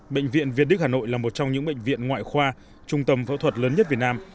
bệnh viện việt đức hà nội là một trong những bệnh viện ngoại khoa trung tâm phẫu thuật lớn nhất việt nam